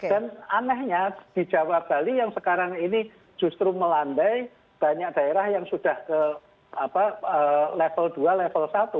dan anehnya di jawa bali yang sekarang ini justru melandai banyak daerah yang sudah ke level dua level satu